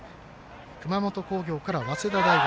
熊本工業から早稲田大学。